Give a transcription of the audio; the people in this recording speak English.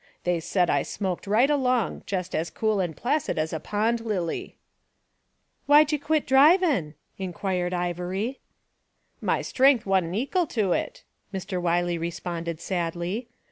They said I smoked right along, jest as cool an' placid as a pond lily/ ! 'Why'd you quit drivin' ?' inquired Ivory. "'My strength wa'n't ekal to it,' Mr. Wiley re sponded sadly.